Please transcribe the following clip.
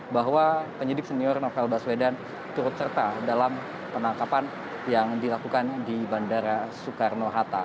bahwa penyidik senior novel baswedan turut serta dalam penangkapan yang dilakukan di bandara soekarno hatta